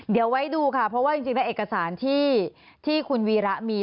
เดี๋ยวไว้ดูค่ะเพราะว่าจริงแล้วเอกสารที่คุณวีระมี